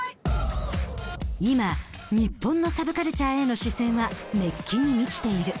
今日本のサブカルチャーへの視線は熱気に満ちている。